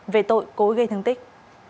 về tội cố gây thương tích